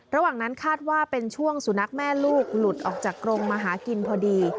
ระหว่างนั้นคาดว่าเป็นช่วงสุนัขแม่ลูกหลุดออกจากกรงมาหากินพอดี